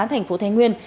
thành phố thái nguyên